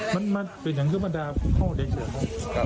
หรือมันเป็นอย่างก็มันดาของเด็กเสิร์ฟครับ